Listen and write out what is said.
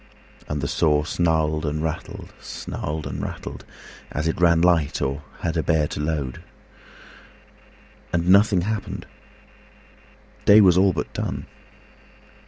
And the saw snarled and rattled, snarled and rattled, As it ran light, or had to bear a load. And nothing happened: day was all but done.